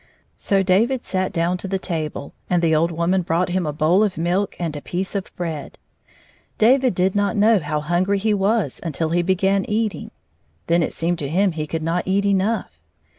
So David sat down to the table, and the old woman brought him a bowl of milk and a piece of bread. David did not know how hungry he was until he began eating. Then it seemed to him he could not eat enough.